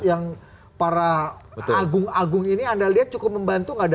yang para agung agung ini anda lihat cukup membantu nggak